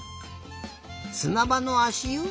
すなばのあしゆ？